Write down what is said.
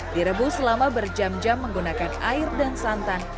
direbus selama berjam jam menggunakan air dan santan